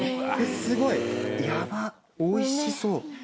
すごいヤバっおいしそう。